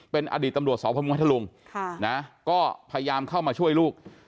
เป็นอดีตตำรวจสพมพัทธลุงก็พยายามเข้ามาช่วยลูก